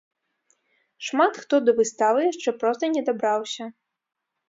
Шмат хто да выставы яшчэ проста не дабраўся.